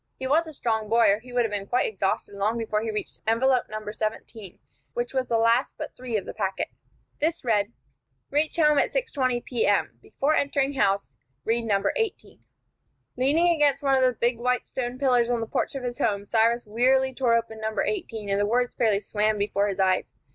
He was a strong boy, or he would have been quite exhausted long before he reached envelope No. 17, which was the last but three of the packet. This read: "Reach home at 6:20 P.M. Before entering house, read No. 18." Leaning against one of the big white stone pillars of the porch of his home, Cyrus wearily tore open envelope No. 18, and the words fairly swam before his eyes.